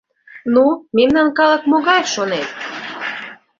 Ну, мемнан калык могай, шонет?